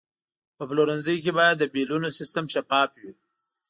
په پلورنځي کې باید د بیلونو سیستم شفاف وي.